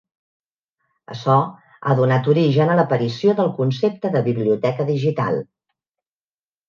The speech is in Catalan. Açò ha donat origen a l'aparició del concepte de biblioteca digital.